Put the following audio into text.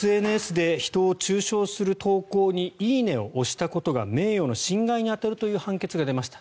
ＳＮＳで人を中傷する投稿に「いいね」を押したことが名誉の侵害に当たるという判決が出ました。